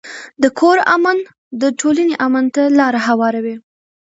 د کور امن د ټولنې امن ته لار هواروي.